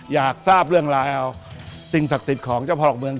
อยากทราบเรื่องราวสิ่งศักดิ์สิทธิ์ของเจ้าพ่อหลักเมือง